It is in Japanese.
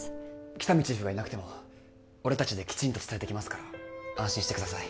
喜多見チーフがいなくても俺達できちんと伝えてきますから安心してください